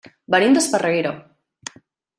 Venim d'Esparreguera.